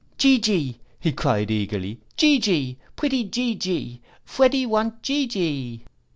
'Gee gee?' he cried eagerly. 'Gee gee. Pwetty Gee gee! Fweddy want gee gee!'